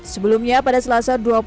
sebelumnya pada selasa